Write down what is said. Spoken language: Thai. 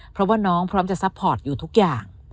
เพราะว่าน้องพร้อมจะซัพพอร์ตอยู่ทุกอย่าง